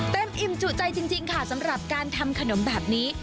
อิ่มจุใจจริงค่ะสำหรับการทำขนมแบบนี้